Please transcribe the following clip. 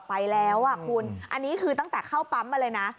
ไปแล้วอ่ะคุณอันนี้คือตั้งแต่เข้าปั๊มมาเลยนะ